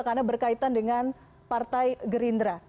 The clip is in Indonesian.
karena berkaitan dengan partai gerindra